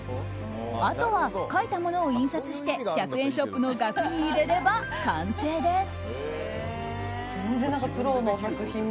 あとは書いたものを印刷して１００円ショップの額に入れれば完成です。